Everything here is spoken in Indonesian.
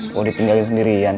kalau ditinggalin sendirian